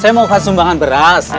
saya mau khas sumbangan beras